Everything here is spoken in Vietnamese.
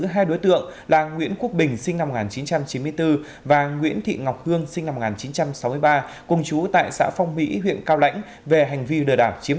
hình ảnh quen thuộc của làng quê việt